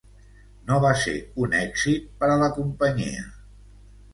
No va ser un èxit per a la companyia.